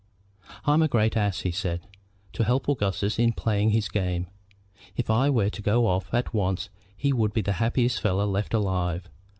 "I'm a great ass," he said, "to help Augustus in playing his game. If I were to go off at once he would be the happiest fellow left alive.